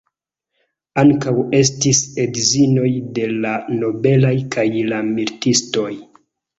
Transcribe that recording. Ankaŭ estis edzinoj de la nobelaj kaj la militistoj.